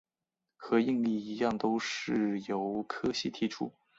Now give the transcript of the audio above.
和应力一样都是由柯西提出。